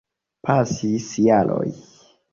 Pasis jaroj.